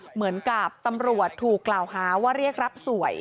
เหมือนกับตำรวจถูกกล่าวหาว่าเรียกรับสวย